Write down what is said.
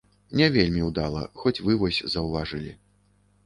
Не вельмі ўдала, хоць вы вось заўважылі.